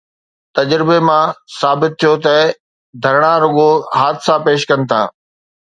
تجربي مان ثابت ٿيو آهي ته ڌرڻا رڳو حادثا پيش ڪن ٿا.